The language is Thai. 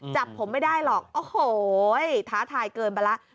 จับผมไม่ได้หรอกโอ้โหท้าทายเกินไปแล้ว